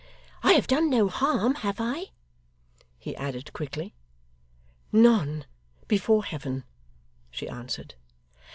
I have done no harm, have I?' he added quickly. 'None before Heaven,' she answered.